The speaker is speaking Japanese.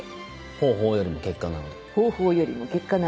「方法よりも結果なので」。